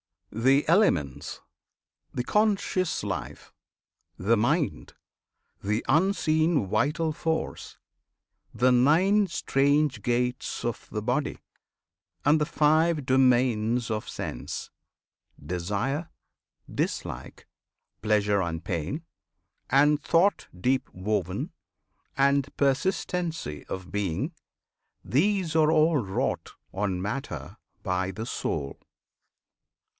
........... .[FN#28] The elements, the conscious life, the mind, The unseen vital force, the nine strange gates Of the body, and the five domains of sense; Desire, dislike, pleasure and pain, and thought Deep woven, and persistency of being; These all are wrought on Matter by the Soul!